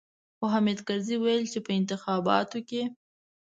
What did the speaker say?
خو حامد کرزي ويل چې په انتخاباتو کې.